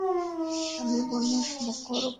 আমি Banu Bakr গোত্রের মানুষ।